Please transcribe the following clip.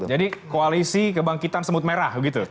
jadi koalisi kebangkitan semut merah gitu